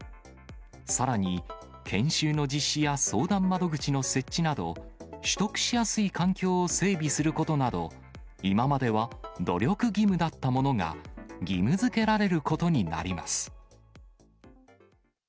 さらに、研修の実施や相談窓口の設置など、取得しやすい環境を整備することなど、今までは努力義務だったものが義務づけられることになります。